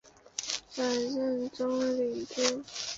转任中领军。